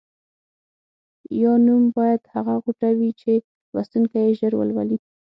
یا نوم باید هغه غوټه وي چې لوستونکی یې ژر ولولي.